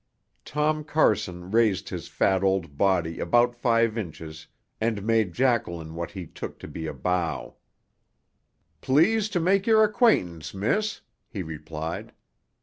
Tom Carson raised his fat old body about five inches and made Jacqueline what he took to be a bow. "Pleased to make your acquaintance, miss," he replied.